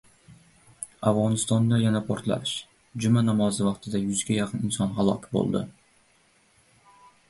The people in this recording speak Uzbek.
Afg‘onistonda yana portlash: Juma namozi vaqtida yuzga yaqin inson halok bo‘ldi